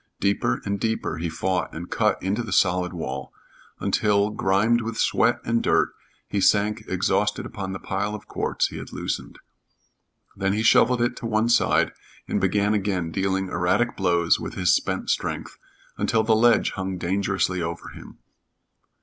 Deeper and deeper he fought and cut into the solid wall, until, grimed with sweat and dirt, he sank exhausted upon the pile of quartz he had loosened. Then he shoveled it to one side and began again dealing erratic blows with his spent strength, until the ledge hung dangerously over him.